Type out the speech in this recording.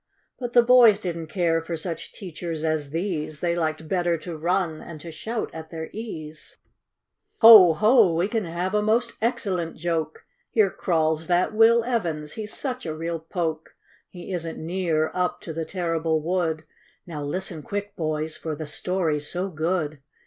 But the boys didn't care for such teachers as these ; They liked better to run and to shout at their ease. 118 ONLY A JOKE! "Ho! ho! we can have a most excellent joke!. Here crawls that Will Evans — he's such a real poke ! He isn't near up to the terrible wood; How, listen, quick, hoys, for the story's so good